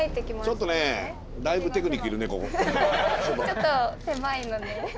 ちょっと狭いので。